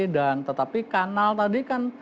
dan tetapi kanal tadi kan